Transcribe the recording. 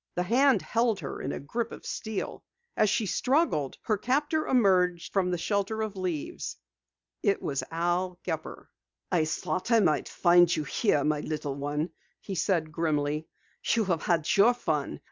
The hand help her in a grip of steel. As she struggled, her captor emerged from the shelter of leaves. It was Al Gepper. "I thought I might find you here, my little one," he said grimly. "You have had your fun.